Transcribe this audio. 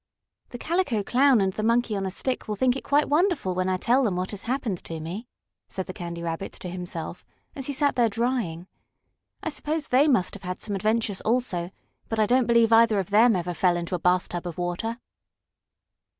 "The Calico Clown and the Monkey on a Stick will think it quite wonderful when I tell them what has happened to me," said the Candy Rabbit to himself, as he sat there, drying. "I suppose they must have had some adventures, also, but I don't believe either of them ever fell into a bathtub of water."